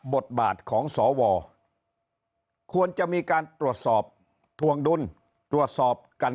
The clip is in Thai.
บทบาทของสวควรจะมีการตรวจสอบทวงดุลตรวจสอบกัน